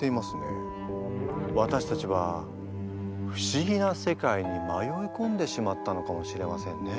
わたしたちは不思議な世界にまよいこんでしまったのかもしれませんね。